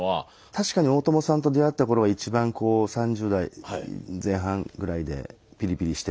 確かに大友さんと出会った頃は一番こう３０代前半ぐらいでピリピリしてて。